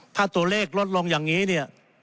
ถ้าตัวเลขลดลงอย่างนี้เนี่ย